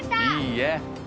いいえ。